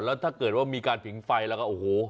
แล้วถ้าเกิดว่ามีการผิงไฟแล้วก็โอ้โห